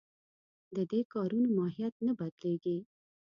د دې کارونو ماهیت نه بدلېږي.